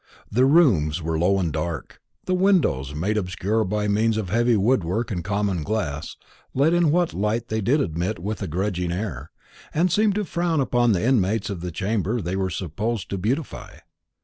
The rooms were low and dark; the windows, made obscure by means of heavy woodwork and common glass, let in what light they did admit with a grudging air, and seemed to frown upon the inmates of the chamber they were supposed to beautify.